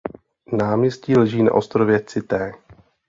Náměstí leží na ostrově Cité.